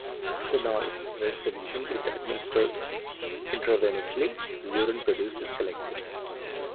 Phenol red solution is administered intravenously, the urine produced is collected.